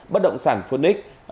bất động sản phuân ích